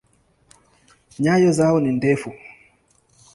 Nyayo zao ni ndefu.